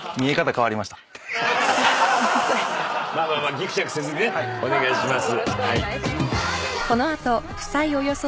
まあまあぎくしゃくせずにねお願いします。